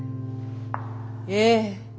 ええ。